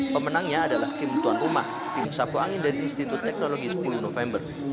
pemenangnya adalah tim tuan rumah tim sapu angin dari institut teknologi sepuluh november